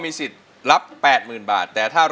เพลงนี้ที่๕หมื่นบาทแล้วน้องแคน